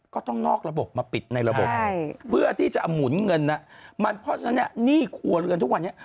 นอกระบบมาปิดในระบบเพื่อที่จะหมุนเงินมันเพราะฉะนั้นเนี่ยหนี้ครัวเรือนทุกวันนี้